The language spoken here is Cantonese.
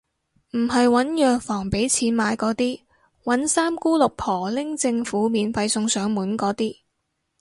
唔係搵藥房畀錢買嗰啲，搵三姑六婆拎政府免費送上門嗰啲